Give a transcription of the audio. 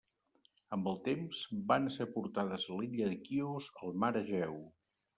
Amb el temps, van ésser portades a l'illa de Quios, al mar Egeu.